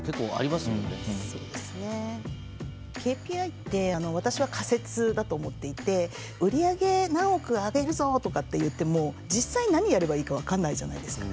ＫＰＩって私は仮説だと思っていて売り上げ何億上げるぞ！とかっていっても実際何やればいいか分かんないじゃないですか。